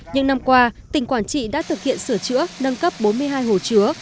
những năm qua tỉnh quảng trị đã thực hiện sửa chữa nâng cấp bốn mươi hai hồ chứa